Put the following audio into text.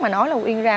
mà nói là uyên ra